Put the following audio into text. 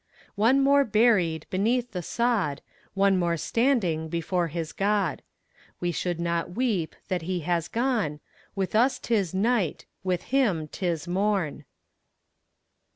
One more buried Beneath the sod, One more standing Before his God. We should not weep That he has gone; With us 'tis night, With him 'tis morn.